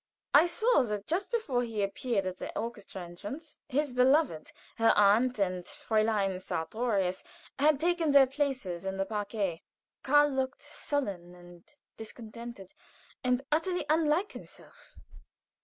I saw that just before he appeared by the orchestra entrance, his beloved, her aunt, and Fräulein Sartorius had taken their places in the parquet. Karl looked sullen and discontented, and utterly unlike himself.